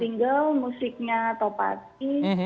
single musiknya topati